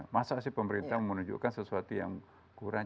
masa sih pemerintah menunjukkan sesuatu yang kurang